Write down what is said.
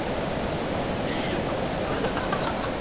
むちゃくちゃじゃん。